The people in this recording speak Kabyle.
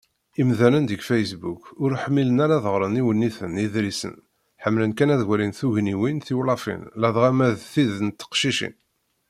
Imdanen deg Facebook ur ḥmmilen ara ad ɣren iwenniten, iḍrisen; ḥemmlen kan ad walin tugniwin, tiwlafin, ladɣa ma d tid n teqcicin.